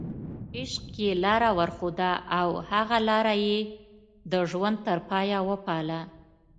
عشق یې لاره ورښوده او هغه لاره یې د ژوند تر پایه وپالله.